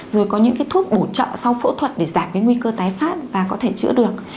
rồi có những cái thuốc bổ trợ sau phẫu thuật để giảm cái nguy cơ tái phát và có thể chữa được